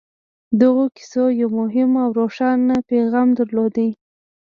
دغو کيسو يو مهم او روښانه پيغام درلود.